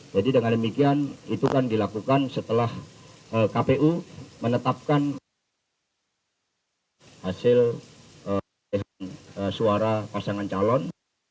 jadi dengan demikian itu kan dilakukan setelah kpu menetapkan hasil suara pasangan calon